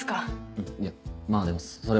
うんいやまぁでもそれは。